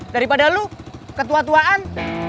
daripada lo ketua tuaan